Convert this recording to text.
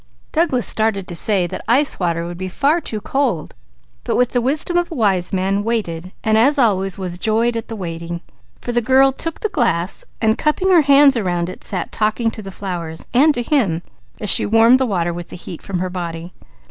Douglas started to say that ice water would be too cold, but with the wisdom of a wise man waited; and as always, was joyed by the waiting. For the girl took the glass and cupping her hands around it sat talking to the flowers, and to him, as she warmed the water with heat from her body.